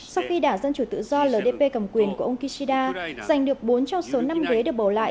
sau khi đảng dân chủ tự do ldp cầm quyền của ông kishida giành được bốn trong số năm ghế được bầu lại